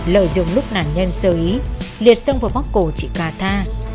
lợi dụng lúc nản nhân sơ ý liệt xông vào móc cổ chị cà tha